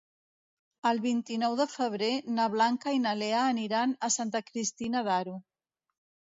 El vint-i-nou de febrer na Blanca i na Lea aniran a Santa Cristina d'Aro.